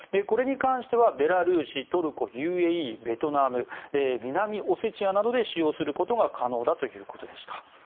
これに関してはベラルーシトルコ、ＵＡＥ、ベトナム南オセチアなどで使用することが可能だということでした。